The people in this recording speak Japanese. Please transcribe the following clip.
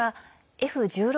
Ｆ１６